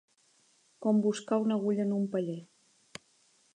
Com buscar una agulla en un paller.